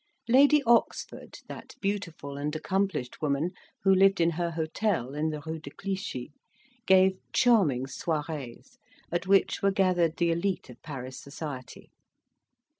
Lady Oxford that beautiful and accomplished woman, who lived in her hotel in the Rue de Clichy gave charming soirees, at which were gathered the elite of Paris society.